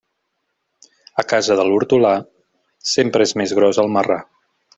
A casa de l'hortolà sempre és més gros el marrà.